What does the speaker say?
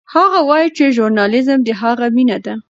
هغه وایي چې ژورنالیزم د هغه مینه ده.